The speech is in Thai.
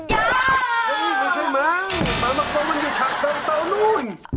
เฮ้ยเหมือนใช่มั้ง